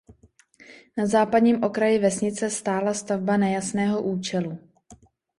Na západním okraji vesnice stála stavba nejasného účelu.